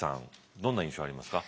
どんな印象ありますか？